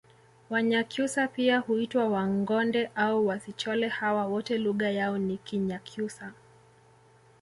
Wanyakyusa pia huitwa wangonde au wasichole hawa wote lugha yao ni kinyakyusa